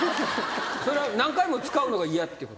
それは何回も使うのが嫌ってことなんですか？